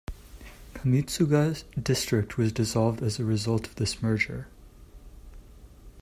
Kamitsuga District was dissolved as a result of this merger.